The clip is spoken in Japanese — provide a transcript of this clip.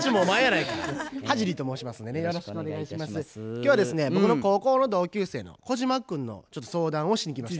今日は僕の高校の同級生の小島君のちょっと相談をしに来ました。